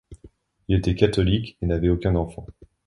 Il était catholique et n'avait aucun enfant.